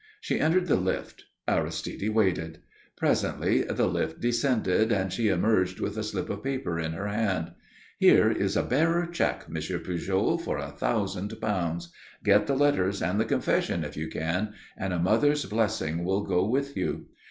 She entered the lift. Aristide waited. Presently the lift descended and she emerged with a slip of paper in her hand. "Here is a bearer cheque, Monsieur Pujol, for a thousand pounds. Get the letters and the confession if you can, and a mother's blessing will go with you."